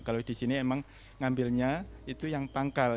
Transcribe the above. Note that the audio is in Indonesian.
kalau di sini emang ngambilnya itu yang pangkal